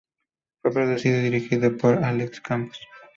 Fue producido y dirigido por Alex Campos.